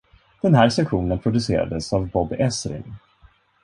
Den här sessionen producerades av Bob Ezrin.